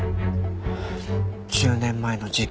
１０年前の事件